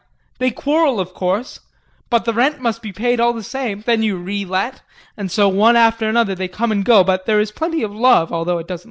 They quarrel of course, but the rent must be paid all the same. Then you re let, and so one after another they come and go, for there is plenty of love, although it doesn't last long.